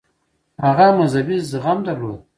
هغه مذهبي زغم درلود.